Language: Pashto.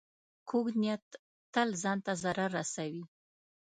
کوږ نیت تل ځان ته ضرر رسوي